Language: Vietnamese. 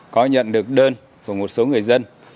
có nhận được đơn của một số người dân